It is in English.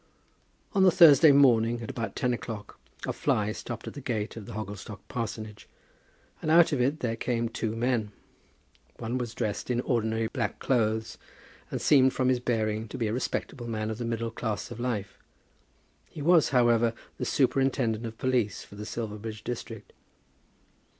On the Thursday morning, at about ten o'clock, a fly stopped at the gate of the Hogglestock Parsonage, and out of it there came two men. One was dressed in ordinary black clothes, and seemed from his bearing to be a respectable man of the middle class of life. He was, however, the superintendent of police for the Silverbridge district.